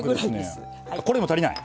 これでも足りない？